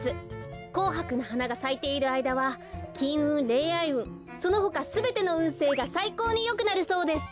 こうはくの花がさいているあいだはきんうんれんあいうんそのほかすべてのうんせいがさいこうによくなるそうです。